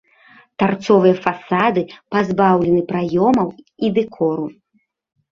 Тарцовыя фасады пазбаўлены праёмаў і дэкору.